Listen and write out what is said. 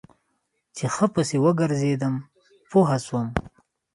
چې ښه پسې وګرځېدم پوه سوم.